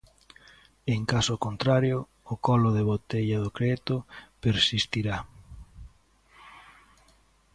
En caso contrario, o colo de botella do crédito persistirá.